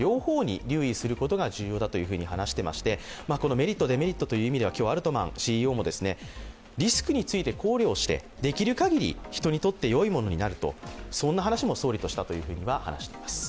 メリット・デメリットという意味では今日アルトマンＣＥＯもリスクについて考慮をしてできる限り人にとってよいものになると、そんな話も総理としたということです。